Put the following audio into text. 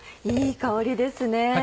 いい香りですね。